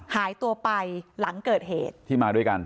หายตัวไปหลังเกิดเหตุที่มาด้วยกัน